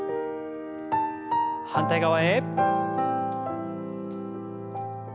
反対側へ。